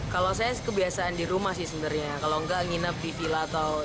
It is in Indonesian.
kalau saya kebiasaan di rumah sih sebenarnya kalau nggak nginap di villa atau